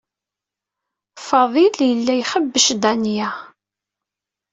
Faḍil yella yexdeɛ Danya.